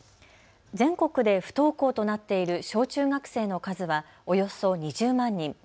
全国で不登校となっている小中学生の数はおよそ２０万人。